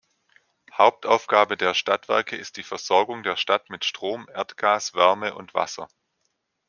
Hauptaufgabe der Stadtwerke ist die Versorgung der Stadt mit Strom, Erdgas, Wärme und Wasser.